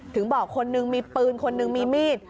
ถึงบอกคนนึงมีปืนคนนึงมีมีด